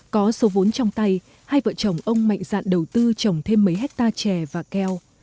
có số vốn trong tay hai vợ chồng ông mạnh dạn đầu tư trồng thêm mấy hectare chè và keo